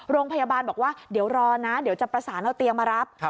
โรงพยาบาลบอกว่าเดี๋ยวรอนะเดี๋ยวจะประสานเอาเตียงมารับ